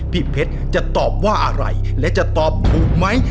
พี่เพชรจะตอบว่าอะไรและจะตอบถูกไหม